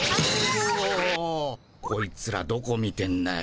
こいつらどこ見てんだよ？